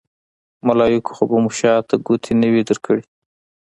ملایکو خو به مو شاته ګوتې نه وي درکړې.